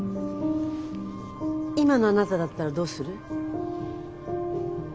今のあなただったらどうする？